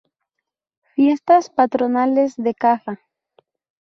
Fiestas Patronales de Caja.-